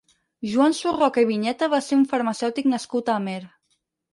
Joan Surroca i Viñeta va ser un farmacèutic nascut a Amer.